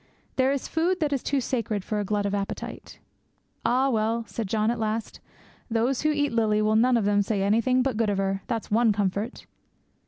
There is food that is too sacred for a glut of appetite. 'Ah, well,' said John, at last, 'those who eat Lily will none of them say anything but good of her, that's one comfort.'